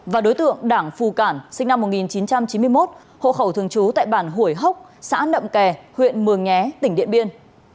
và đối tượng đảng phù cản sinh năm một nghìn chín trăm chín mươi một hộ khẩu thường trú tại bản hủy hốc xã nậm kè huyện mường nhé tỉnh điện biên